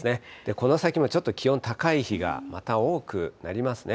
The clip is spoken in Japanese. この先もちょっと気温高い日がまた多くなりますね。